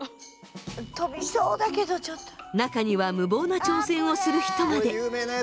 中には無謀な挑戦をする人まで。